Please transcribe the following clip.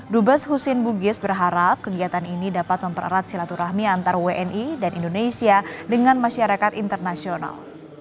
dubes husin bugis berharap kegiatan ini dapat mempererat silaturahmi antar wni dan indonesia dengan masyarakat internasional